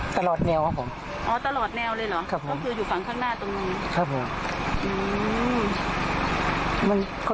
ตลอดแนวครับผมอ๋อตลอดแนวเลยเหรอครับผมก็คืออยู่ฝั่งข้างหน้า